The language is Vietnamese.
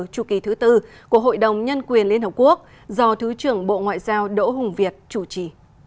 chủ kỳ thứ tư của hội đồng nhân quyền liên hợp quốc do thứ trưởng bộ ngoại giao đỗ hùng việt chủ trì